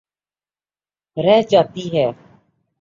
رہ جاتی ہے۔